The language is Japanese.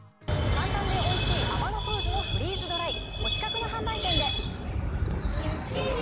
簡単でおいしいアマノフーズのフリーズドライお近くの販売店で。